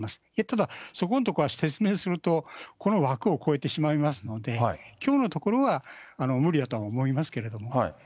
ただ、そこんところは説明すると、この枠を超えてしまいますので、きょうのところは無理だとは思いますけれども。